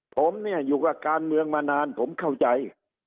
ผมเนี่ยอยู่กับการเมืองมานานผมเข้าใจ